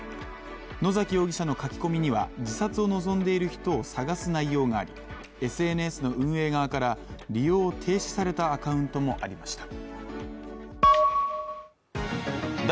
野崎容疑者の書き込みには自殺を望んでいる人を探す内容があり、ＳＮＳの運営側から、利用を停止されたアカウントもありました。